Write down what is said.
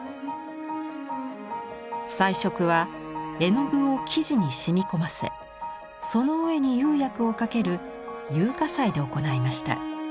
彩色は絵の具を生地に染み込ませその上に釉薬をかける釉下彩で行いました。